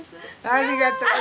ありがとう。